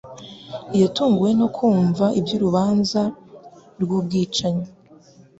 Yatunguwe no kumva iby'urubanza rw'ubwicanyi